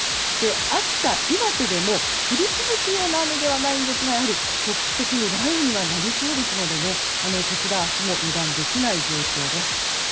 秋田、岩手でも降り続くような雨ではないんですがやはり局地的に雷雨にはなりそうですのでこちら明日も油断できない状況です。